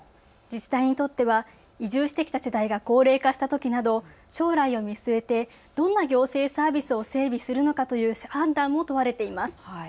自治体にとっては移住してきた世代が高齢化したときなど、将来を見据えてどんな行政サービスを整備するのかという判断も問われています。